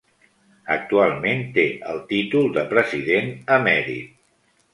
Actualment té el títol de President Emèrit.